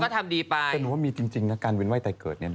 แต่หนูว่ามีจริงนะการวินไหว้ใต้เกิดเนี่ย